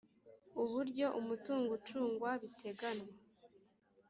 uburyo umutungo ucungwa biteganywa